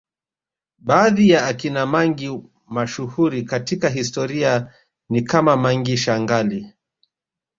Baadhi ya akina mangi mashuhuri katika historia ni kama Mangi Shangali